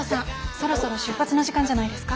そろそろ出発の時間じゃないですか。